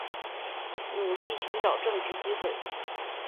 努力寻找正职机会